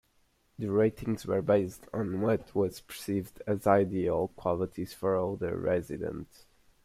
The ratings were based on what was perceived as ideal qualities for older residents.